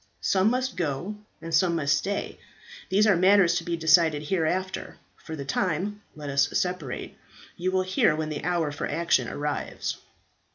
Some must go and some must stay; these are matters to be decided hereafter; for the time let us separate; you will hear when the hour for action arrives."